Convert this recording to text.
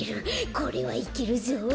これはいけるぞ！